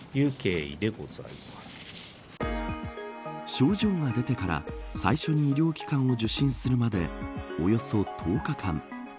症状が出てから最初に医療機関を受診するまでおよそ１０日間。